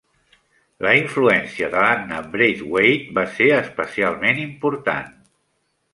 La influència de l'Anna Braithwaite va ser especialment important.